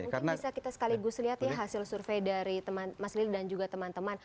mungkin bisa kita sekaligus lihat ya hasil survei dari mas lili dan juga teman teman